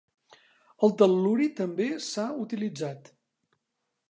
El tel·luri també s'ha utilitzat.